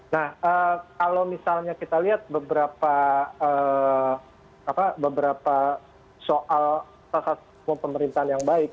nah kalau misalnya kita lihat beberapa soal pemerintahan yang baik